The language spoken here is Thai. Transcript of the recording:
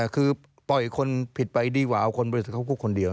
คือปล่อยคนผิดไปดีกว่าเอาคนบริสุทธิเขาพูดคนเดียว